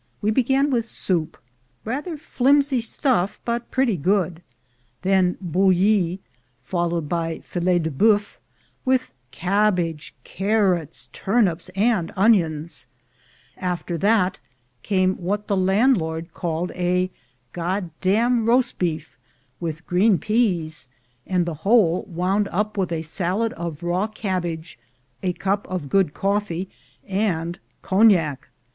We began with soup — rather flimsy stuff, but pretty good — then bouilli, followed by filet de hcBuf, with cabbage, carrots, turnips, and onions; after that came what the landlord called a "god dam rosbif," with green peas, and the whole wound up with a salad of raw cabbage, a cup of good coffee, and cognac.